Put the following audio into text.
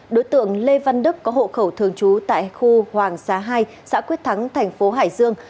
đối tượng lê văn đức có hộ khẩu thường trú tại khu hoàng xá hai xã quyết thắng thành phố hải dương